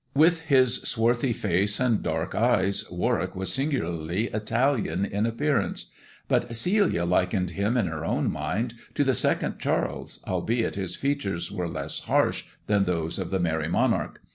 With his swarthy face and dark eyes, Warwick was singularly Italian in appearance ; but Celia likened him in her own mind to the second Charles, albeit his features were less harsh than those of the Merry Monarch.